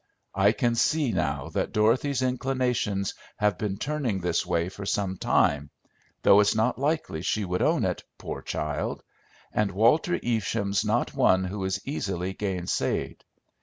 I can see now that Dorothy's inclinations have been turning this way for some time; though it's not likely she would own it, poor child; and Walter Evesham's not one who is easily gainsaid.